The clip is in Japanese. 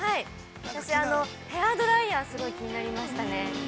◆私、ヘアドライヤー、すごい気になりましたね。